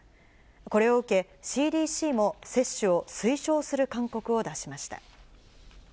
これを受けＣＤＣも接種を推奨する勧告を出しました。